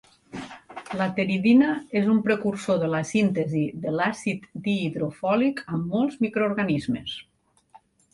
La pteridina és un precursor de la síntesi de l'àcid dihidrofòlic en molts microorganismes.